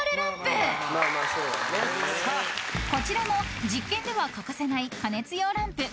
［こちらも実験では欠かせない加熱用ランプ］